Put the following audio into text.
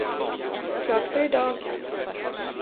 Klart för i dag!